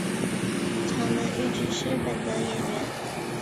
长门裕之是日本的演员。